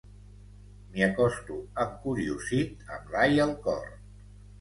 M'hi acosto encuriosit, amb l'ai al cor.